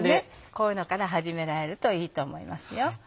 こういうのから始められるといいと思いますよ。